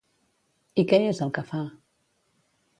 I què és el que fa?